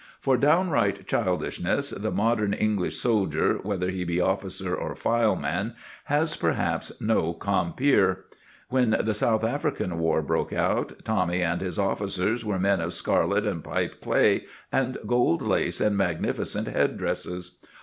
For downright childishness the modern English soldier, whether he be officer or file man, has perhaps no compeer. When the South African War broke out, Tommy and his officers were men of scarlet and pipe clay and gold lace and magnificent head dresses.